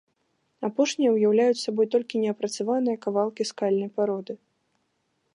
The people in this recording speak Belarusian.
Апошнія ўяўляюць сабой толькі неапрацаваныя кавалкі скальнай пароды.